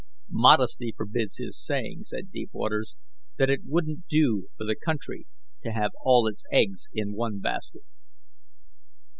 "Modesty forbids his saying," said Deepwaters, "that it wouldn't do for the country to have all its eggs in one basket."